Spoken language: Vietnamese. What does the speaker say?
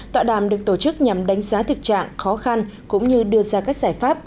tọa đàm được tổ chức nhằm đánh giá thực trạng khó khăn cũng như đưa ra các giải pháp